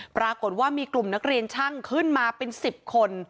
ปรากฏว่ามีกลุ่มนักเรียนช่างขึ้นมาเป็น๑๐คน